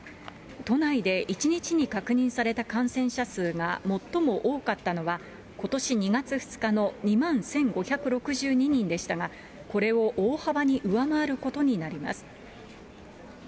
都内で１日に確認された感染者数が最も多かったのは、ことし２月２日の２万１５６２人でしたが、これを大幅に上回ることになります。